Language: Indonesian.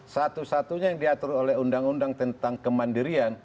satu satunya yang diatur oleh undang undang tentang kemandirian